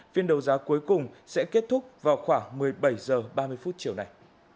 phiên đấu giá cuối cùng sẽ kết thúc vào khoảng một mươi bảy h ba mươi phút chiều này